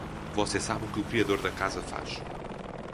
Você sabe o que o criador da casa faz.